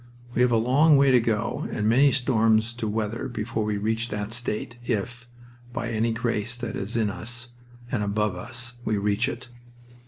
We have a long way to go and many storms to weather before we reach that state, if, by any grace that is in us, and above us, we reach it.